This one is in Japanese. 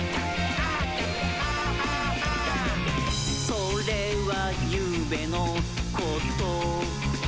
「それはゆうべのことだった」